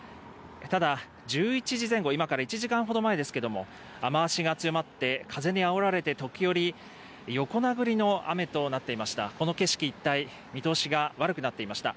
ただ１１時前後、今から１時間ほど前ですけども雨足が強まって風にあおられて時折、横殴りの雨となっていました。